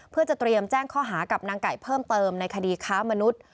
เพื่อจะเตรียมแจ้งข้อหากับนางไก่เพิ่มเติมในคดีค้ามนุษย์